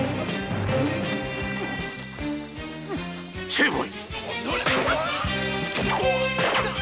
成敗！